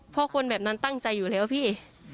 เพราะคนแบบนั้นตั้งใจอยู่แล้วพี่